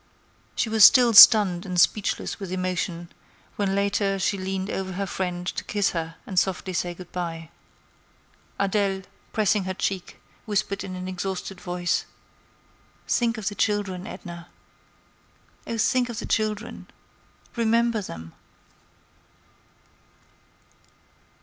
She was still stunned and speechless with emotion when later she leaned over her friend to kiss her and softly say good by. Adèle, pressing her cheek, whispered in an exhausted voice: "Think of the children, Edna. Oh think of the children! Remember them!"